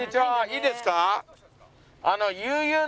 いいですか？